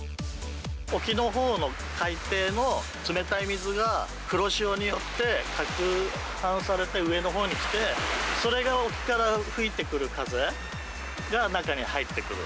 沖のほうの海底の冷たい水が、黒潮によってかくはんされて上の方に来て、それが沖から吹いてくる風が中に入ってくる。